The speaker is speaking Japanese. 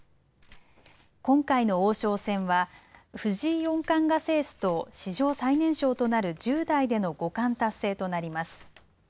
今回の王将戦は藤井四冠が制すと史上最年少となる１０代での五冠達成となります。